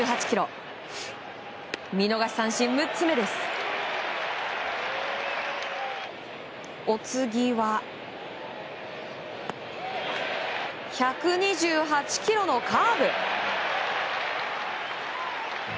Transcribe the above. １２８キロのカーブ。